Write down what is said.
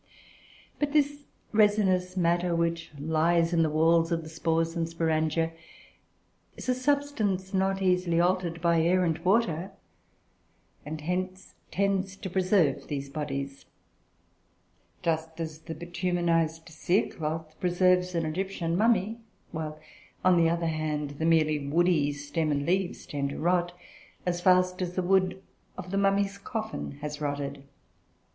But this resinous matter, which lies in the walls of the spores and sporangia, is a substance not easily altered by air and water, and hence tends to preserve these bodies, just as the bituminized cerecloth preserves an Egyptian mummy; while, on the other hand, the merely woody stem and leaves tend to rot, as fast as the wood of the mummy's coffin has rotted.